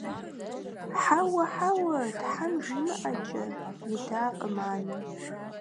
Хьэуэ, хьэуэ, тхьэм жимыӀэкӀэ! – идакъым анэм.